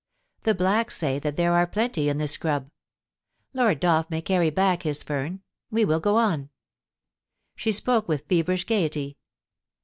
The blacks say that there are plenty in this scrub. Lord Dolph may carry back his fern — we will go on.' She spoke with feverish gaiety.